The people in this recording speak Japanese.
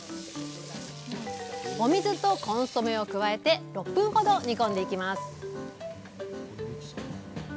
お水とコンソメを加えて６分ほど煮込んでいきます